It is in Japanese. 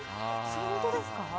本当ですかね。